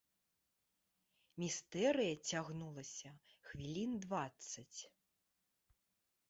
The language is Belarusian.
Містэрыя цягнулася хвілін дваццаць.